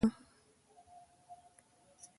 د سولې تړونونه د ډيپلوماسی لاسته راوړنه ده.